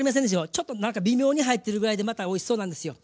ちょっと何か微妙に入ってるぐらいでまたおいしそうなんですよ。